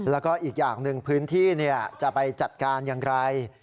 แล้วก็อีกอย่างหนึ่งพื้นที่จะไปจัดการอย่างไร